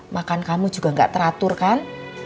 makan kamu juga gak teratur kan